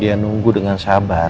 dia nunggu dengan sabar